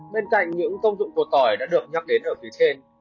bên cạnh những công dụng của tỏi đã được nhắc đến ở phía trên